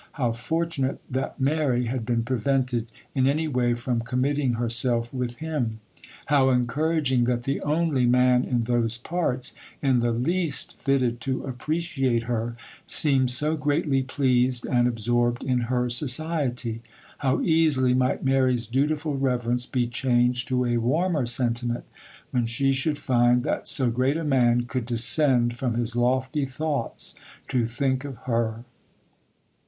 —how fortunate that Mary had been prevented in any way from committing herself with him!—how encouraging that the only man in those parts, in the least fitted to appreciate her, seemed so greatly pleased and absorbed in her society!—how easily might Mary's dutiful reverence be changed to a warmer sentiment, when she should find that so great a man could descend from his lofty thoughts to think of her!